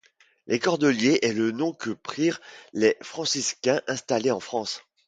Les Cordeliers est le nom que prirent les Franciscains installés en France.